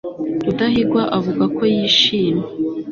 rudahigwa avuga ko yishimye